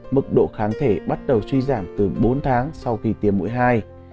mức độ kháng thể bắt đầu suy giảm từ bốn tháng sau khi tiêm mũi hai